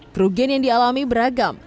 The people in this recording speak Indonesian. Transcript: kerugian yang dialami beragam